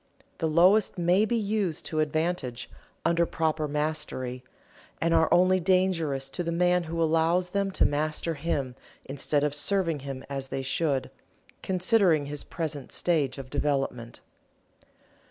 The lowest may be used to advantage, under proper mastery, and are only dangerous to the man who allows them to master him instead of serving him as they should, considering his present stage of development.